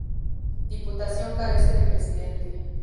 Diputación carece de presidente.